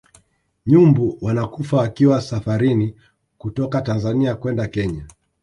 nyumbu wanakufa wakiwa safarini kutoka tanzania kwenda kenya